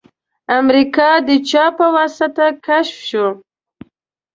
امریکا د چا په واسطه کشف شوه؟